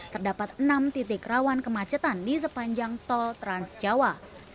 terdapat enam titik rawan kemacetan di sepanjang tol transjawa